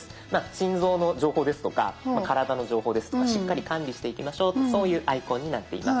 心臓の情報ですとか体の情報ですとかしっかり管理していきましょうそういうアイコンになっています。